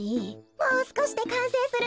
もうすこしでかんせいするのよ。